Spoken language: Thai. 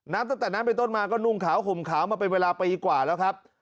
ตั้งแต่นั้นเป็นต้นมาก็นุ่งขาวห่มขาวมาเป็นเวลาปีกว่าแล้วครับ